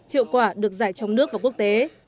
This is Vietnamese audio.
hiệu quả được giải trong nước và quốc tế